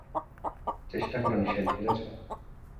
চেষ্টা করা নিষেধ, বুঝেছ?